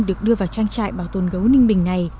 được đưa vào trang trại bảo tồn gấu ninh bình này